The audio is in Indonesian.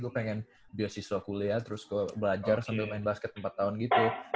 gue pengen beasiswa kuliah terus gue belajar sambil main basket empat tahun gitu